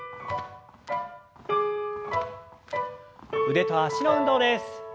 腕と脚の運動です。